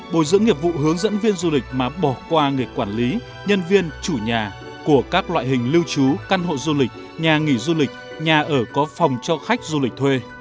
bồi dưỡng nghiệp vụ hướng dẫn viên du lịch mà bỏ qua người quản lý nhân viên chủ nhà của các loại hình lưu trú căn hộ du lịch nhà nghỉ du lịch nhà ở có phòng cho khách du lịch thuê